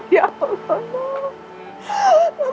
ya allah noh